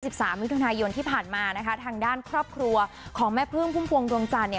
สามมิถุนายนที่ผ่านมานะคะทางด้านครอบครัวของแม่พึ่งพุ่มพวงดวงจันทร์เนี่ย